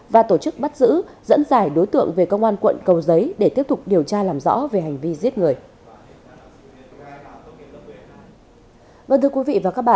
và tổ chức bắt giữ dẫn giải đối tượng về công an quận cầu giấy để tiếp tục điều tra làm rõ về hành vi giết người